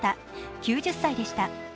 ９０歳でした。